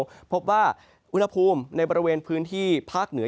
พบว่าอุณหภูมิในบริเวณพื้นที่ภาคเหนือ